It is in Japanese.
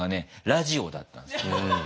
ラジオだったんですよね。